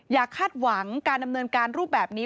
คาดหวังการดำเนินการรูปแบบนี้